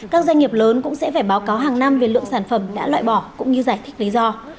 các doanh nghiệp lớn cũng sẽ phải báo cáo hàng năm về lượng sản phẩm đã loại bỏ cũng như giải thích lý do